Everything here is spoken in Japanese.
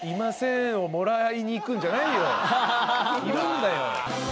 いるんだよ。